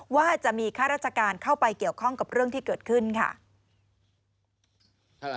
ว่าจะมีข้าราชการเข้าไปเกี่ยวข้องกับเรื่องที่เกิดขึ้นค่ะ